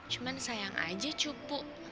cuman sayang aja cupu